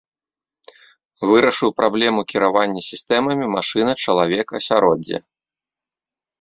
Вырашыў праблему кіравання сістэмамі машына-чалавек-асяроддзе.